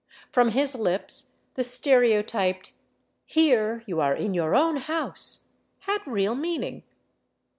From his lips the stereotyped " Here you are in your own house " had real mean ing.